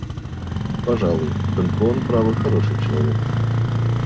Пожалуй; только он, право, хороший человек.